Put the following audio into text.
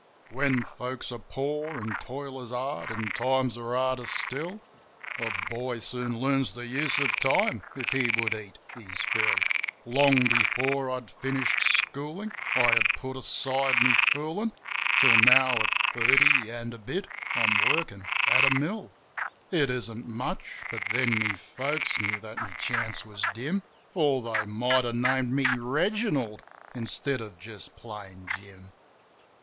When folks are poor an' toil is hard an' times are harder still A boy soon learns the use of time if he would eat his fill. Long before I'd finished schoolin' I had put aside my foolin', Till now, at thirty an' a bit, I'm workin' at a mill. It isn't much ; but then my folks knew that my chance was dim, Or they might have named me Reginald instead of just plain Jim.